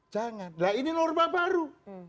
jangan lah ini norma baru